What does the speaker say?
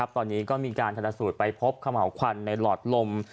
ตอนนี้ก็มีการทันสูตรไปพบขม่าวควันในหลอดลม